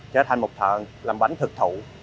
trở thành một thần làm bánh thực thụ